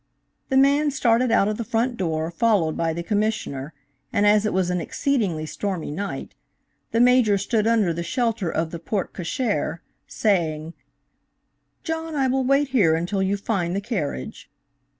The man started out of the front door followed by the Commissioner and as it was an exceedingly stormy night, the Major stood under the shelter of the porte cochère, saying: "John, I will wait here until you find the carriage."